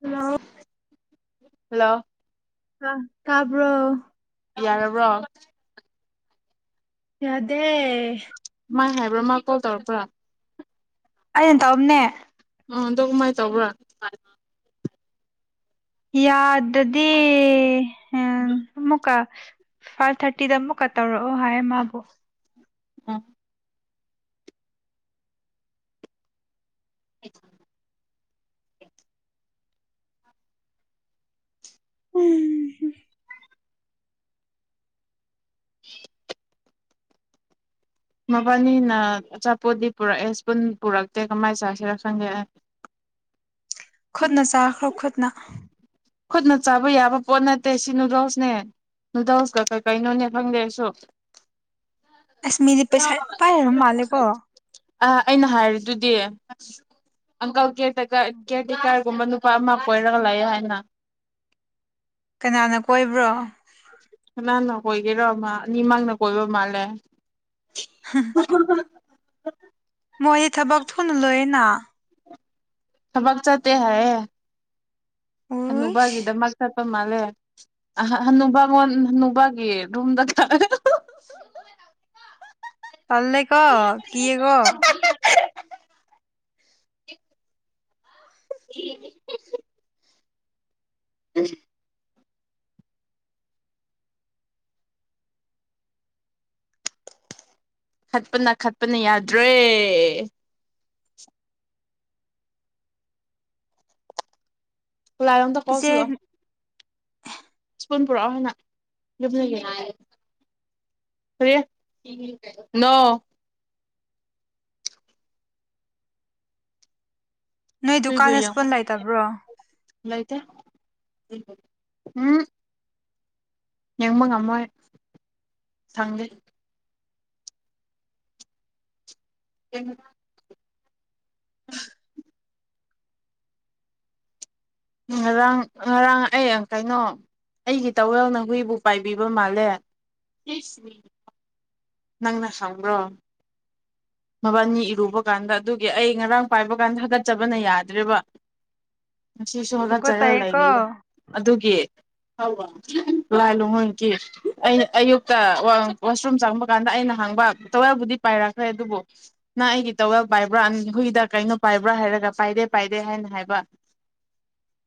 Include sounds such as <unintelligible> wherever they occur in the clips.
Hello hello ꯀ ꯇꯥꯕ꯭ꯔꯣ ꯌꯥꯔꯕ꯭ꯔꯣ ꯌꯥꯗꯦ ꯃꯥꯏ ꯍꯥꯏꯕ꯭ꯔꯥ ꯃꯥ ꯀꯣꯜ ꯇꯧꯔꯛꯄ꯭ꯔꯥ ꯑꯩꯅ ꯇꯧꯝꯅꯦ ꯎꯝ ꯑꯗꯣ ꯀꯃꯥꯏꯅ ꯇꯧꯕ꯭ꯔꯥ ꯌꯥꯗꯗꯤ ꯑꯃꯨꯛꯀ ꯐꯥꯏꯚ ꯊꯥꯔꯇꯤꯗ ꯑꯃꯨꯛꯀ ꯇꯧꯔꯛꯑꯣ ꯍꯥꯏ ꯃꯥꯕꯨ ꯑꯥ <unintelligible> ꯎꯝ ꯍꯨꯝ <unintelligible> ꯃꯕꯥꯅꯤꯅ ꯑꯆꯥꯄꯣꯠꯗꯤ ꯄꯨꯔꯛꯑꯦ ꯁ꯭ꯄꯨꯟ ꯄꯨꯔꯛꯇꯦ ꯀꯃꯥꯏꯅ ꯆꯥꯁꯤꯔ ꯈꯪꯗꯦ ꯈꯨꯠꯅ ꯆꯥꯈ꯭ꯔꯣ ꯈꯨꯠꯅ ꯈꯨꯠꯅ ꯆꯥꯕ ꯌꯥꯕ ꯄꯣꯠ ꯅꯠꯇꯦ ꯁꯤ ꯅꯨꯗꯜꯁꯅꯦ ꯅꯨꯗꯜꯁꯀ ꯀꯩ ꯀꯩꯅꯣꯅꯦ ꯈꯪꯗꯦ ꯑꯩꯁꯨ ꯑꯁ ꯃꯤꯗꯤ ꯄꯩꯁꯥ ꯌꯥꯝ ꯄꯥꯏꯔꯕ ꯃꯥꯟꯂꯦꯀꯣ ꯑ ꯑꯩꯅ ꯍꯥꯏꯔꯤꯗꯨꯗꯤ ꯑꯪꯀꯜ ꯀꯌꯦꯔ ꯇꯦꯀꯔ ꯀꯌꯦꯔ ꯇꯦꯀꯔ ꯀꯨꯝꯕ ꯅꯨꯄꯥ ꯑꯃ ꯀꯣꯏꯔꯒ ꯂꯩꯥꯑꯦ ꯍꯥꯏꯅ ꯀꯅꯥꯅ ꯀꯣꯏꯕ꯭ꯔꯣ? ꯀꯅꯥꯅ ꯀꯣꯏꯒꯦꯔꯣ ꯃꯥ ꯑꯅꯤꯃꯛꯅ ꯀꯣꯏꯕ ꯃꯥꯜꯂꯦ ꯍꯍꯥ <unintelligible> ꯃꯣꯏꯗꯤ ꯊꯕꯛ ꯊꯨꯅ ꯂꯣꯏꯌꯦꯅ ꯊꯕꯛ ꯆꯠꯇꯦ ꯍꯥꯏꯌꯦ ꯎꯏꯁ ꯍꯅꯨꯕꯒꯤꯗꯃꯛꯇ ꯄ ꯃꯥꯜꯂꯦ ꯍꯅꯨꯕꯥ ꯃꯣꯟ ꯍꯅꯨꯕꯥꯒꯤ ꯔꯨꯝꯗ ꯆꯠꯂ ꯇꯟꯂꯦꯀꯣ ꯀꯤꯌꯦꯀꯣ <inaudible> ꯎꯝ ꯈꯠꯄꯅ ꯈꯠꯄꯅ ꯌꯥꯗ꯭ꯔꯦ ꯂꯥꯏ ꯑꯝꯗꯥ ꯏꯆꯦ ꯀꯧꯁꯤꯜꯂꯣ ꯏꯁꯄꯨꯟ ꯄꯨꯔꯛꯑꯣ ꯍꯥꯟꯅ <unintelligible> ꯀꯔꯤ ꯅꯣ ꯅꯣꯏ ꯍꯨꯏꯕꯨ ꯗꯨꯀꯥꯟꯗ ꯌꯦꯡꯉꯣ ꯁ꯭ꯄꯨꯟ ꯂꯩꯇꯕ꯭ꯔꯣ ꯂꯩꯇꯦ ꯎꯝ ꯌꯦꯡꯕ ꯉꯝꯃꯣꯏ ꯁꯪꯗꯦ <unintelligible> ꯉꯔꯥꯡ ꯉꯔꯥꯡ ꯑꯩ ꯌꯦꯡ ꯀꯩꯅꯣ ꯑꯩꯒꯤ ꯇꯥꯋꯦꯜꯅ ꯍꯨꯏꯕꯨ ꯄꯥꯏꯕꯤꯕ ꯃꯥꯜꯂꯦ ꯅꯪꯅ ꯁꯪꯕ꯭ꯔꯣ ꯃꯕꯥꯅꯤ ꯏꯔꯨꯕ ꯀꯥꯟꯗ ꯑꯗꯨꯒꯤ ꯑꯩ ꯉꯔꯥꯡ ꯄꯥꯏꯕ ꯀꯥꯟꯗ ꯍꯥꯒꯠꯆꯕꯅ ꯌꯥꯗ꯭ꯔꯦꯕ <unintelligible> ꯉꯁꯤꯁꯨ ꯍꯥꯒꯠꯆꯔꯒ ꯇꯨꯀꯠꯆꯩꯌꯦꯀꯣ ꯂꯩꯔꯤꯌꯦ ꯑꯗꯨꯒꯤ ꯂꯥꯏ ꯂꯨꯍꯣꯡꯈꯤ ꯑꯩ ꯑꯌꯨꯛꯇ ꯋꯥꯁꯔꯨꯝ ꯆꯪꯕ ꯀꯥꯟꯗ ꯑꯩꯅ ꯍꯪꯕ ꯇꯥꯋꯦꯜꯕꯨꯗꯤ ꯄꯥꯏꯔꯛꯈ꯭ꯔꯦ ꯑꯗꯨꯕꯨ ꯅꯪ ꯑꯩꯒꯤ ꯇꯥꯎꯋꯦꯜ ꯄꯥꯏꯕ꯭ꯔꯥ ꯍꯨꯏꯗ ꯀꯩꯅꯣ ꯄꯥꯏꯕ꯭ꯔꯥ ꯍꯥꯏꯔꯒ ꯄꯥꯏꯗꯦ ꯄꯥꯏꯗꯦ ꯍꯥꯏꯅ ꯍꯥꯏꯕ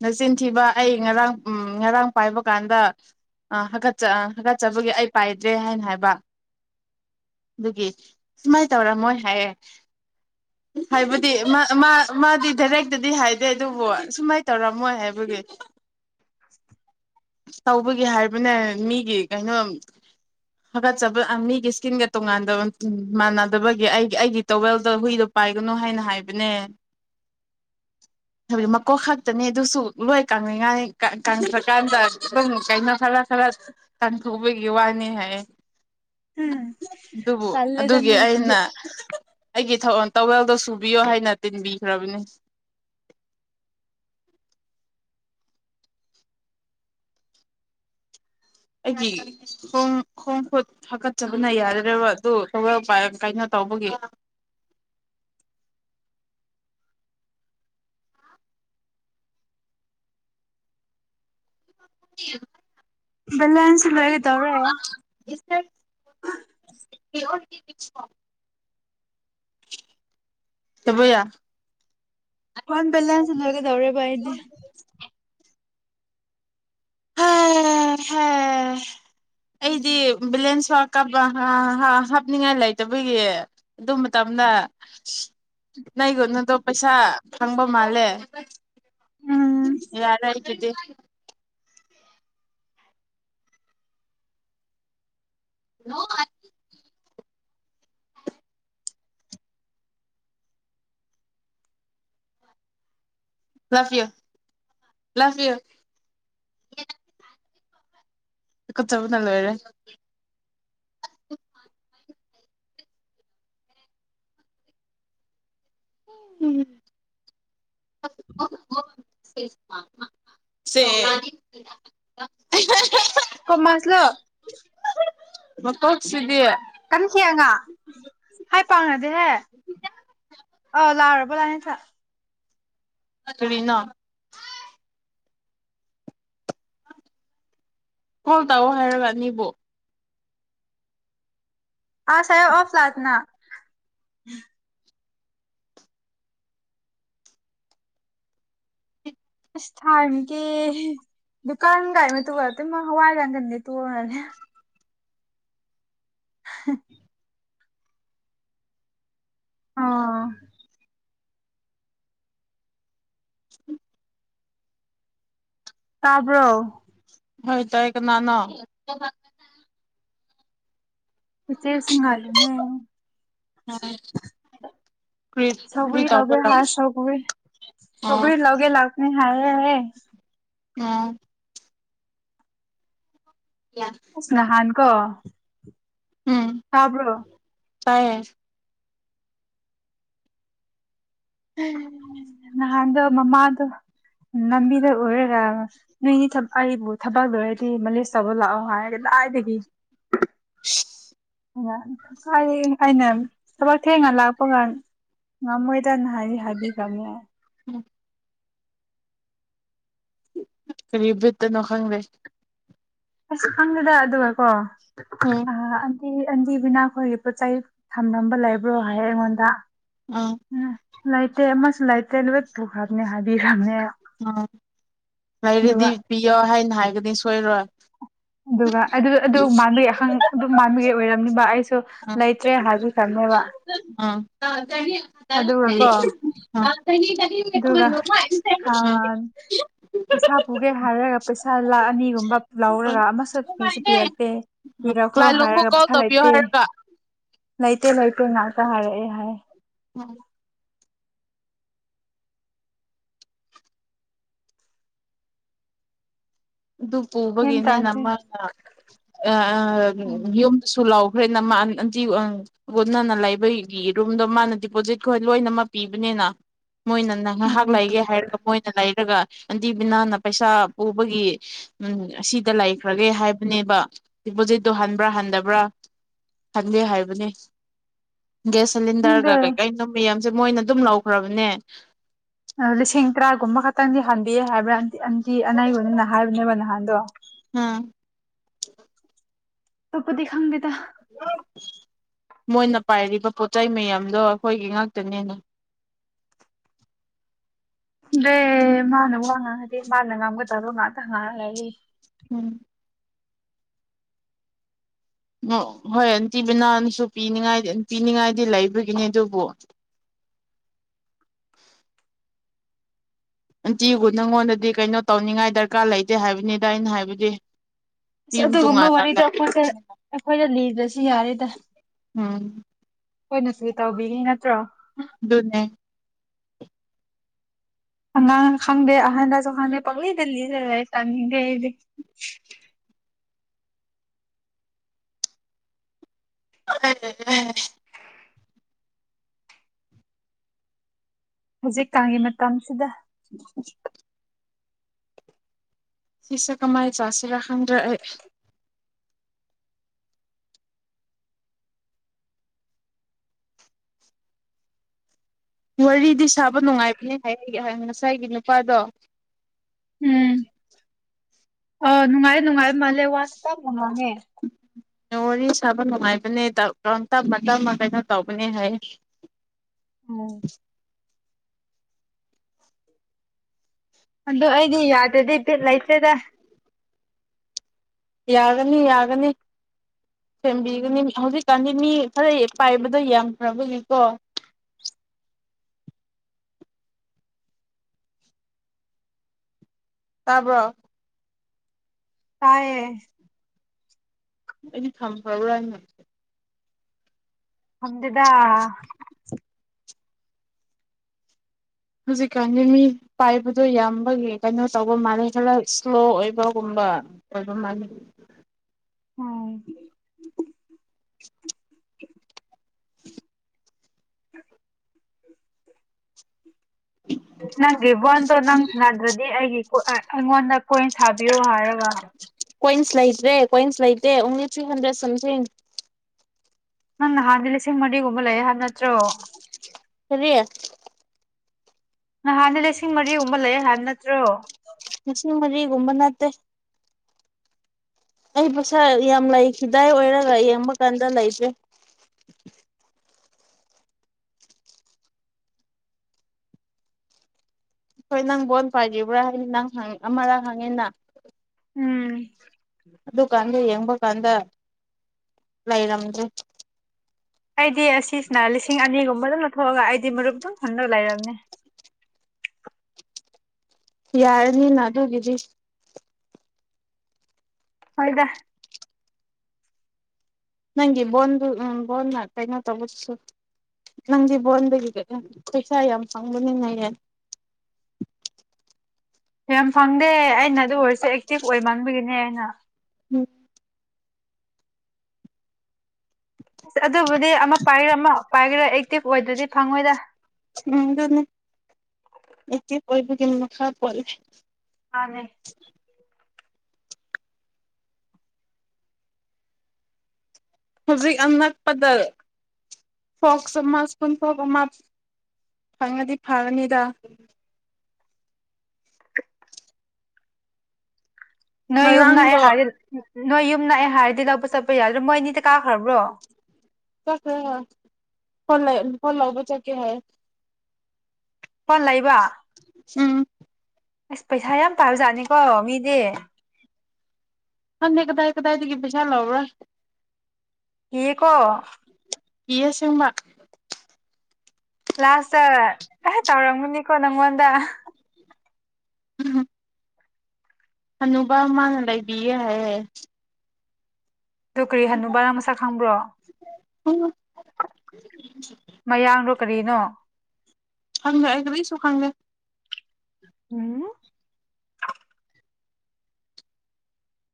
ꯅꯆꯤꯟꯊꯤꯕ ꯑꯩ ꯉꯔꯥꯡ ꯎꯝ ꯉꯔꯥꯡ ꯄꯥꯏꯕ ꯀꯥꯟꯗ ꯑ ꯍꯥꯀꯠꯆ ꯑ ꯍꯥꯀꯠꯆꯕꯒꯤ ꯑꯩ ꯄꯥꯏꯗ꯭ꯔꯦ ꯍꯥꯏꯅ ꯍꯥꯏꯕ ꯑꯗꯨꯒꯤ ꯁꯨꯃꯥꯏ ꯇꯧꯔꯝꯃꯣꯏ ꯍꯥꯏꯌꯦ <unintelligible> ꯍꯥꯏꯕꯗꯤ ꯃꯥ ꯃꯥ ꯃꯥꯗꯤ ꯗꯥꯏꯔꯦꯛꯇꯗꯤ ꯍꯥꯏꯗꯦ ꯑꯗꯨꯕꯨ ꯁꯨꯃꯥꯏ ꯇꯧꯔꯝꯃꯣꯏ ꯍꯥꯏꯕꯒꯤ <inaudible> ꯁꯥꯎꯕꯒꯤ ꯍꯥꯏꯕꯅꯦ ꯃꯤꯒꯤ ꯀꯩꯅꯣ ꯍꯥꯀꯠꯆ ꯕ ꯃꯤꯒꯤ ꯏꯁꯀꯤꯟꯒ ꯇꯣꯉꯥꯟꯗꯕ ꯃꯥꯟꯅꯗꯕꯒꯤ ꯑꯩ ꯑꯩꯒꯤ ꯇꯣꯋꯦꯜꯗ ꯍꯨꯏꯗꯣ ꯄꯥꯏꯒꯅꯨ ꯍꯥꯏꯅ ꯍꯥꯏꯕꯅꯦ <inaudible> ꯍꯥꯏꯕꯗꯤ ꯃꯀꯣꯛ ꯈꯛꯇꯅꯤ ꯑꯗꯨꯁꯨ ꯂꯣꯏ ꯀꯪꯉꯉꯥꯏ ꯀꯪꯈ꯭ꯔꯀꯥꯟꯗ ꯑꯗꯨꯝ ꯀꯩꯅꯣ ꯈꯔ ꯈꯔ ꯀꯥꯟꯊꯨꯕꯒꯤ ꯋꯥꯅꯤ ꯍꯥꯏꯌꯦ ꯎꯝ ꯗꯨꯕꯨ ꯇꯜꯂꯦꯗ ꯑꯗꯨꯒꯤ ꯅꯣꯏꯁꯤꯗꯤ ꯑꯩꯅ ꯑꯩꯒꯤ ꯊ ꯇꯧꯋꯦꯜꯗꯣ ꯁꯨꯕꯤꯌꯣ ꯍꯥꯏꯅ ꯇꯤꯟꯕꯤꯈ꯭ꯔꯕꯅꯦ ꯑꯩꯒꯤ ꯈꯣꯡ ꯈꯣꯡ ꯈꯨꯨꯠ ꯍꯥꯀꯠꯆꯕꯅ ꯌꯥꯗꯔ꯭ꯦꯕ ꯑꯗꯨ ꯇꯋꯦꯜ ꯄꯥꯏꯔꯒ ꯀꯩꯅꯣ ꯇꯧꯕꯒꯤ <inaudible> ꯕꯦꯂꯦꯟꯁ ꯕꯦꯂꯤꯗ ꯇꯧꯔꯦ <inaudible> ꯇꯕꯌꯥ ꯐꯣꯟ ꯕꯂꯦꯟꯁꯁꯦ ꯂꯣꯏꯒꯗꯧꯔꯦꯕ ꯑꯩꯗꯤ <inaudible> ꯑꯁ ꯑꯩꯗꯤ ꯕꯦꯂꯦꯟꯁ ꯋꯥ ꯀꯥꯞꯄ ꯍꯥꯞꯅꯤꯡꯉꯥꯏ ꯂꯩꯇꯕꯒꯤ ꯑꯗꯨ ꯃꯇꯝꯗ ꯅꯣꯏ ꯒꯣꯅꯣꯗꯣ ꯄꯩꯁꯥ ꯐꯪꯕ ꯃꯥꯜꯂꯦ ꯎꯝ ꯌꯥꯔꯦ ꯑꯩꯒꯤꯗꯤ ꯅꯣ ꯂꯐꯌꯨ ꯂꯐꯌꯨ ꯇꯨꯀꯨꯠꯆꯕꯅ ꯂꯣꯏꯔꯦ ꯎꯝ ꯁꯦ <inaudible> ꯀꯣꯃꯁꯂꯣ ꯃꯀꯣꯛꯁꯤꯗꯤ ꯀꯟꯅ ꯍꯦꯛꯒ ꯍꯥꯏ ꯄꯥꯎꯅꯗꯦꯍꯦ <unintelligible> <unintelligible> ꯀꯔꯤꯅꯣ ꯀꯣꯜ ꯇꯧꯑꯣ ꯍꯥꯏꯔꯒ ꯑꯅꯤꯕꯨ ꯑꯁꯥꯏꯦ ꯑꯣꯐ ꯂꯥꯛꯅ <unintelligible> <unintelligible> <inaudible> ꯑꯥ <inaudible> ꯇꯥꯕ꯭ꯔꯣ ꯍꯣꯏ ꯇꯥꯏ ꯀꯅꯥꯅꯣ ꯏꯆꯦ ꯁꯤꯡꯍꯜꯂꯤꯅꯦ ꯀꯔꯤ ꯀꯔꯤ ꯁꯧꯒꯔ꯭ꯤ ꯂꯧꯒꯦ ꯇꯧꯕꯔꯣ ꯍꯥꯏ ꯁꯧꯒꯔ꯭ꯤ ꯑꯣ ꯂꯧꯒꯦ ꯂꯧꯒꯦ ꯂꯥꯛ ꯅꯤ ꯍꯥꯏꯌꯦ ꯑꯣ ꯌꯥꯝ ꯁꯅꯍꯥꯟ ꯀꯣ ꯎꯝ ꯇꯥꯕ꯭ꯔꯣ ꯇꯥꯏ <unintelligible> ꯅꯍꯥꯟꯗ ꯃꯃꯥꯗ ꯅꯕꯤꯗ ꯑꯣꯏꯔꯦꯔ ꯅꯣꯏꯅꯤ ꯑꯩꯕꯨ ꯊꯕꯛ ꯂꯣꯏꯔꯗꯤ ꯃꯂꯦꯁ ꯇꯧꯕ ꯂꯥꯛꯑꯣ ꯍꯥꯏꯔꯒꯦ ꯂꯥꯏꯗꯒꯤ <unintelligible> ꯑꯩꯅ ꯊꯕꯛ ꯊꯦꯡꯅ ꯂꯥꯛꯄꯒꯥꯟ ꯉꯃꯣꯏꯗꯅ ꯍꯥꯏꯕꯤ ꯍꯥꯏꯕꯤ ꯀꯃꯦ ꯎꯝ ꯀꯔꯤ ꯕꯤꯠꯇꯅꯣ ꯈꯪꯗꯦ ꯑꯁ ꯈꯪꯗꯦꯗ ꯑꯗꯨꯒ ꯀꯣ ꯎꯝ ꯑꯟꯗꯤꯕꯤꯅꯥ ꯑꯩꯈꯣꯏꯒꯤ ꯄꯣꯠ ꯆꯩ ꯊꯝꯂꯝꯕ ꯂꯩꯕ꯭ꯔꯣ ꯍꯥꯏ ꯑꯩꯉꯣꯟꯗ ꯎꯝ ꯎꯝ ꯂꯥꯏꯇꯦ ꯑꯃꯁꯨ ꯂꯥꯏꯠ ꯀꯩ ꯅꯨꯃꯤꯠ ꯄꯨꯈꯠꯅꯤ ꯍꯥꯏꯕꯤꯈꯝꯅꯦ ꯑꯗꯨꯒ ꯎꯝ ꯂꯩꯔꯗꯤ ꯄꯤꯌꯣ ꯍꯥꯏꯅ ꯍꯥꯏꯒꯅꯤ ꯁꯣꯏꯔꯣꯏ ꯑꯗꯨꯒ ꯑꯗꯨ ꯑꯗꯨ ꯃꯥꯟꯕꯒꯤ ꯑꯍꯪ ꯑꯗꯨ ꯃꯥꯟꯕꯒꯤ ꯑꯣꯏꯔꯝꯅꯤꯕ ꯑꯩꯁꯨ ꯎꯝ ꯂꯩꯇ꯭ꯔꯦ ꯍꯥꯏꯕ ꯊꯝꯃꯦꯕ ꯀꯣ <unintelligible> ꯑꯗꯨꯒ ꯄꯩꯁꯥ ꯄꯨꯒꯦ ꯍꯥꯏꯔꯒ ꯄꯩꯁꯥ ꯂꯥꯛ ꯑꯅꯤꯒꯨꯝꯕ ꯂꯧꯔꯒ ꯑꯃꯁꯨ ꯄꯤꯁꯨ ꯄꯤꯔꯛꯇꯦ ꯄꯤꯔꯛꯈ꯭ꯔꯣ ꯍꯥꯏꯔꯒ ꯀꯣꯜ ꯄꯩꯁꯥ ꯇꯧꯕꯤꯌꯣ ꯂꯩꯇꯦ ꯍꯥꯏꯔꯒ ꯂꯩꯇꯦ ꯂꯩꯇꯦ ꯉꯥꯛꯇ ꯍꯥꯏꯔꯛꯑꯦ ꯍꯥꯏ ꯎꯝ ꯑꯗꯨ ꯒ꯭ꯌꯥꯟ ꯄꯨꯕꯒꯤꯅꯦ ꯇꯥꯗ꯭ꯔꯦ ꯅꯃꯛꯇ ꯎꯝ ꯌꯨꯝꯗꯁꯨ ꯂꯥꯎꯈ꯭ꯔꯦ ꯅꯃ ꯑꯇꯤ ꯑꯪ ꯂꯣꯟꯅꯅ ꯂꯩꯕꯒꯤ ꯌꯦꯔꯨꯝꯗꯣ ꯃꯥꯅ ꯗꯤꯄꯣꯖꯤꯠꯀ ꯂꯣꯏꯅꯃꯛ ꯄꯤꯕꯅꯤꯅ ꯃꯣꯏꯅ ꯉꯥꯏꯍꯥꯛ ꯎꯝ ꯂꯩꯒꯦ ꯍꯥꯏꯔꯒ ꯃꯣꯏꯅ ꯂꯩꯔꯒ ꯑꯟꯇꯤꯕꯤꯅꯥꯅ ꯄꯩꯁꯥ ꯄꯨꯕꯒꯤ ꯎꯝ ꯑꯁꯤꯗ ꯂꯩꯈ꯭ꯔꯒꯦ ꯍꯥꯏꯕꯅꯦꯕ ꯗꯤꯄꯣꯖꯤꯠꯇꯣ ꯍꯟꯕ꯭ꯔꯥ ꯍꯟꯗꯕ꯭ꯔꯥ ꯍꯟꯒꯦ ꯍꯥꯏꯕꯅꯦ ꯒꯦꯁ ꯁꯤꯂꯤꯟꯗꯔꯒ ꯈꯪꯗꯦ ꯀꯩꯀꯩ ꯅ ꯃꯌꯥꯝꯁꯦ ꯃꯣꯏꯅ ꯑꯗꯨꯝ ꯂꯧꯈ꯭ꯔꯕꯅꯦ ꯂꯤꯁꯤꯡ ꯇꯔꯥꯒꯨꯝꯕ ꯈꯛꯇꯪꯗꯤ ꯍꯟꯕꯤꯑ ꯍꯥꯏꯕ꯭ꯔꯥ ꯑꯟꯇꯤ ꯑꯅꯩꯕꯅꯅ ꯍꯥꯏꯕꯅꯦꯕ ꯅꯍꯥꯟꯗꯣ ꯑꯥ ꯑꯩꯈꯣꯏꯗꯤ ꯈꯪꯒꯦꯗ ꯃꯣꯏꯅ ꯄꯥꯏꯔꯤꯕ ꯄꯣꯠꯆ ꯆꯩ ꯃꯌꯥꯝꯗꯣ ꯑꯩꯈꯣꯏꯒꯤ ꯉꯥꯛꯇꯅꯦꯅꯦ ꯗꯦ ꯃꯥꯥꯟꯅ ꯋꯥ ꯉꯥꯡꯉꯗꯤ ꯃꯥꯥꯟꯅ ꯉꯥꯡꯕ ꯗꯥꯏꯂꯣ ꯉꯥꯛꯇ ꯉꯥꯡꯉꯒꯅꯤ ꯎꯝ ꯍꯣꯏ ꯑꯟꯇꯤꯕꯤꯅꯥꯎꯟꯁꯨ ꯄꯤꯅꯤꯡꯉꯥꯏ ꯄꯤꯅꯤꯡꯉꯥꯏꯗꯤ ꯂꯩꯕꯒꯤꯅꯤ ꯑꯗꯨꯕꯨ ꯑꯟꯇꯤꯕꯨ ꯅꯪꯉꯣꯟꯗꯗꯤ ꯀꯩꯅꯣ ꯇꯧꯅꯤꯡꯉꯥꯏ ꯗꯔꯀꯥꯔ ꯂꯩꯇꯦ ꯍꯥꯏꯕꯅꯤꯗ ꯑꯩꯅ ꯍꯥꯏꯕꯗꯤ ꯑꯁ ꯌꯨꯝ ꯑꯗꯨꯒꯨꯝꯕ ꯇꯣꯉꯥꯟꯅ ꯋꯥꯔꯤꯗ ꯑꯩꯈꯣꯏꯁꯦ ꯂꯩꯈ꯭ꯔꯕꯅꯤꯅ ꯑꯩꯈꯣꯏꯗ ꯂꯤꯗ꯭ꯔꯁꯨ ꯌꯥꯔꯦꯗ ꯎꯝ ꯑꯩꯈꯣꯏꯅꯁꯨ ꯇꯧꯕꯤꯔꯤ ꯅꯠꯇ꯭ꯔꯣ ꯑꯗꯨꯅꯦ ꯑꯉꯥꯡ ꯈꯪꯗꯦ ꯑꯍꯟꯅꯁꯨ ꯈꯪꯗꯦ ꯄꯪꯂꯤꯗ ꯂꯤ ꯂꯩꯔꯦ ꯆꯡꯅꯤꯡꯗꯦ ꯑꯩꯗꯤ <unintelligible> ꯍꯧꯖꯤꯛꯀꯥꯟꯒꯤ ꯃꯇꯝꯁꯤꯗ ꯐꯤꯆꯀ ꯑꯃꯥ ꯆꯥꯁꯤꯔ ꯈꯪꯗ꯭ꯔꯦ ꯑꯩ ꯋꯥꯔꯤꯗꯤ ꯁꯥꯕ ꯅꯨꯡꯉꯥꯏꯕꯅꯦ ꯍꯥꯏꯕꯅꯦ ꯉꯁꯥꯏꯒꯤ ꯅꯨꯄꯥꯗꯣ ꯎꯝ ꯑꯥ ꯅꯨꯡꯉꯥꯏ ꯅꯨꯡꯉꯥꯏꯕ ꯃꯥꯜꯂꯦ ꯋꯥꯁꯨ ꯄꯥꯛ ꯉꯥꯡꯉꯦ ꯋꯥꯔꯤ ꯁꯥꯕ ꯅꯨꯡꯉꯥꯏꯕꯅꯦꯝ ꯇꯞꯅ ꯇꯞꯅ ꯀꯩꯅꯣ ꯇꯧꯕꯅꯦ ꯍꯥꯏꯌꯦ ꯎꯝ ꯑꯗꯣ ꯑꯩꯗꯤ ꯌꯥꯗꯗꯤ ꯕꯤꯠ ꯂꯩꯇꯦꯗ ꯌꯥꯒꯅꯤ ꯌꯥꯒꯅꯤ ꯁꯦꯝꯕꯤꯒꯅꯤ ꯍꯧꯖꯤꯛꯀꯥꯟꯗꯤ ꯃꯤ ꯈꯔ ꯄꯥꯏꯕꯗꯣ ꯌꯥꯝꯈꯔꯥꯕꯒꯤꯀꯣ ꯇꯥꯕ꯭ꯔꯣ ꯇꯥꯏꯌꯦ ꯑꯩꯗꯤ ꯊꯝꯈꯔꯥꯕ ꯍꯥꯏꯅ ꯈꯪꯗꯦꯗ ꯍꯧꯖꯤꯛꯀꯥꯟꯁꯦ ꯃꯤ ꯄꯥꯏꯕꯗꯣ ꯌꯥꯝꯕꯒꯤ ꯀꯩꯅꯣ ꯇꯧꯕ ꯃꯥꯜꯂꯦ ꯈꯔ ꯏꯁꯂꯣ ꯑꯣꯏꯕꯒꯨꯝꯕ ꯑꯗꯨ ꯃꯥꯅꯤ ꯎꯝ <inaudible> ꯅꯪꯒꯤ ꯕꯣꯟꯗꯣ ꯅꯪ ꯁꯗꯔꯥꯗꯤ ꯑꯩꯒꯤ ꯑꯩꯉꯣꯟꯗ ꯀꯣꯏꯟ ꯁꯥꯕꯤꯌꯣ ꯍꯥꯏꯔꯒ ꯀꯣꯏꯟꯁ ꯂꯩꯇ꯭ꯔꯦ ꯀꯣꯏꯟꯁ ꯂꯩꯇꯦ ꯑꯣꯡꯂꯤ ꯊꯔꯤ ꯍꯟꯗꯔꯦꯠ ꯁꯝꯊꯤꯡ ꯅꯪ ꯅꯍꯥꯟꯗꯤ ꯂꯤꯁꯤꯡ ꯃꯔꯤꯒꯨꯝꯕ ꯂꯩꯌꯦ ꯍꯥꯏꯕ ꯅꯠꯇ꯭ꯔꯣ ꯀꯔꯤ ꯅꯍꯥꯟꯗꯤ ꯂꯤꯁꯤꯡ ꯃꯔꯤꯒꯨꯝꯕ ꯂꯩ ꯍꯥꯏꯕ ꯅꯠꯇ꯭ꯔꯣ ꯂꯤꯁꯤꯡ ꯃꯔꯤꯒꯨꯝꯕ ꯅꯠꯇꯦ ꯑꯩ ꯄꯩꯁꯥ ꯌꯥꯝ ꯂꯩꯈꯤꯗꯥꯏ ꯑꯣꯏꯔꯒ ꯌꯦꯡꯕ ꯀꯥꯟꯗ ꯂꯩꯇ꯭ꯔꯦ ꯍꯣꯏ ꯅꯪ ꯕꯣꯜ ꯄꯥꯏꯒꯤꯕ꯭ꯔꯥ ꯍꯥꯏꯅ ꯅꯪ ꯑꯃꯔꯛ ꯍꯪꯉꯦꯅ ꯎꯝ ꯑꯗꯨꯀꯥꯟꯗ ꯌꯦꯡꯕ ꯀꯥꯟꯗ ꯂꯩꯔꯝꯗ꯭ꯔꯦ ꯑꯩꯗꯤ ꯑꯁꯤꯁꯤꯅ ꯂꯤꯁꯤꯡ ꯑꯅꯤꯒꯨꯝꯕ ꯑꯗꯨꯝ ꯂꯧꯊꯣꯛꯑꯒ ꯑꯩꯗꯤ ꯃꯔꯨꯞ ꯑꯗꯨꯝ ꯍꯨꯟꯅꯕ ꯂꯩꯔꯝꯅꯦ ꯌꯥꯔꯅꯤꯅ ꯑꯗꯨꯒꯤꯗꯤ ꯍꯣꯏꯗ ꯅꯪꯒꯤ ꯕꯣꯟꯗꯨ ꯎꯝ ꯕꯣꯟꯅ ꯀꯩꯅꯣ ꯇꯧꯕꯗꯨꯁꯨ ꯅꯪꯗꯤ ꯕꯣꯟꯗꯒꯤ ꯄꯩꯁꯥ ꯌꯥꯝ ꯐꯪꯕꯅꯤꯅꯍꯦ ꯌꯥꯝ ꯐꯪꯗꯦ ꯑꯩꯅ ꯑꯗꯨ ꯑꯣꯏꯔꯁꯨ ꯑꯦꯛꯇꯤꯚ ꯑꯣꯏꯃꯟꯕꯒꯤꯅꯦ ꯑꯩꯅ ꯎꯝ ꯑꯗꯨꯕꯨꯗꯤ ꯑꯃ ꯄꯥꯏꯒꯔꯥ ꯑꯃ ꯄꯥꯏꯒꯦꯔꯥ ꯑꯦꯛꯇꯤꯚ ꯑꯣꯏꯗꯔꯥꯗꯤ ꯐꯪꯉꯣꯏꯗ ꯎꯝ ꯑꯗꯨꯅꯦ ꯑꯦꯛꯇꯤꯞ ꯃꯈꯥ ꯄꯣꯜꯂꯦ ꯃꯥꯅꯦ ꯍꯧꯖꯤꯛ ꯑꯅꯛꯄꯗ ꯐꯣꯛꯁ ꯑꯃ ꯁꯄꯨꯟ ꯐꯣꯛꯁ ꯑꯃ ꯐꯪꯉꯗꯤ ꯐꯒꯅꯤꯗ ꯅꯣꯏ ꯌꯨꯝ ꯂꯥꯛꯑꯦ ꯉꯔꯥꯡꯗꯣ ꯍꯥꯏꯔꯗꯤ ꯅꯣꯏ ꯌꯨꯝ ꯂꯥꯛꯑꯦ ꯍꯥꯏꯔꯗꯤ ꯂꯧꯕ ꯆꯠꯄ ꯌꯥꯗꯔꯣ ꯃꯣꯏ ꯑꯅꯤꯗꯤ ꯀꯥꯈꯔꯥꯕꯔꯣ ꯀꯥꯈꯔꯦ ꯍꯣꯏ ꯐꯣꯟ ꯐꯣꯟ ꯂꯧꯕ ꯆꯠꯀꯦ ꯍꯥꯏ ꯐꯣꯟ ꯂꯩꯕ ꯎꯝ ꯑꯁ ꯄꯩꯁꯥ ꯌꯥꯝ ꯄꯥꯕ ꯖꯥꯠꯅꯤꯀꯣ ꯃꯤꯗꯤ ꯈꯪꯗꯦ ꯀꯗꯥꯏ ꯀꯗꯥꯏꯇꯒꯤ ꯄꯩꯁꯥ ꯂꯧꯕ꯭ꯔꯥ ꯀꯤꯌꯦꯀꯣ ꯀꯤꯌꯦ ꯑꯁꯦꯡꯕ꯫ ꯂꯥꯁꯇ <unintelligible> ꯇꯧꯔꯝꯒꯅꯤꯀꯣ ꯅꯪꯉꯣꯟꯗ꯫ <inaudible> ꯍꯅꯨꯕ ꯑꯃꯅ ꯂꯩꯕꯤꯌꯦ ꯍꯥꯏꯌꯦ꯫ ꯑꯗꯨ ꯀꯔꯤ ꯍꯅꯨꯕꯔ ꯃꯁꯛ ꯈꯪꯕ꯭ꯔꯣ꯫ ꯎꯝ ꯃꯌꯥꯡꯔꯤ ꯀꯔꯤꯅꯣ꯫ ꯈꯪꯗꯦ ꯑꯩ ꯀꯔꯤꯁꯨ ꯈꯪꯗꯦ꯫ ꯎꯝ꯫